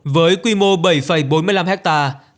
với quy mô bảy bốn mươi năm hectare